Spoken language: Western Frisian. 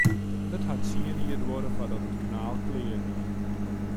It hat tsien jier duorre foardat it kanaal klear wie.